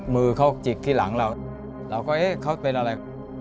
มือเขาจิกที่หลังเราเราก็เอ๊ะเขาเป็นอะไร